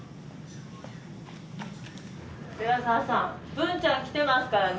寺澤さん文ちゃん来てますからね。